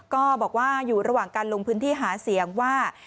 ก็บอกว่าอยู่ระหว่างการลงพื้นที่หาเสียงว่า